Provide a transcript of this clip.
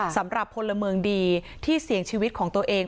สำหรับพลเมืองดีที่เสี่ยงชีวิตของตัวเอง